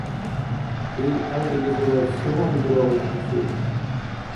Ил агилизивад севан дураулхъуси?